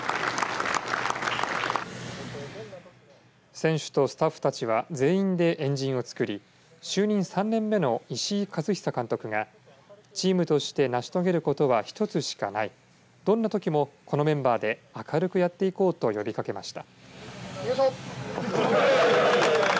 選手とスタッフたちは全員で円陣をつくり就任３年目の石井一久監督がチームとして成し遂げることは１つしかないどんなときもこのメンバーで明るくやっていこうと呼びかけました。